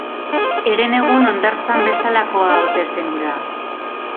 Herenegun hondartzan bezalakoa ote zen hura?